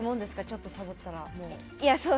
ちょっとサボったら。